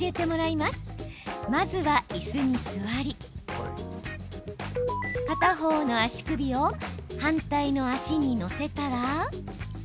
まずは、いすに座り片方の足首を反対の足に乗せたら。